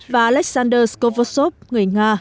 và alexander skorvosov người nga